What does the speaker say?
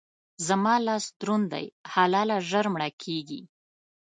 زما لاس دروند دی؛ حلاله ژر مړه کېږي.